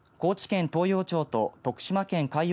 高知県東洋町と徳島県海陽